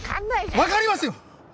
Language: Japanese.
分かりますよ！